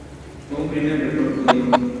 Fue un crimen ritual judío.